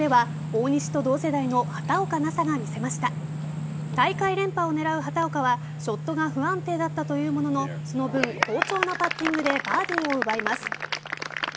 大会連覇を狙う畑岡はショットが不安定だったというもののその分、好調なパッティングでバーディーを奪います。